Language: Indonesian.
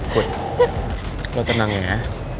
put lo tenang ya